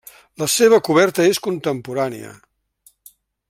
La seva coberta és contemporània.